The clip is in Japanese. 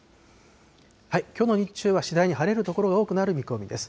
きょうの日中は次第に晴れる所が多くなる見込みです。